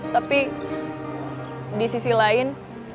tapi di sisi lain